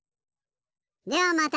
ではまた！